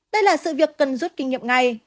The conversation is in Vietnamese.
đây là sự việc cần rút kinh nghiệm ngay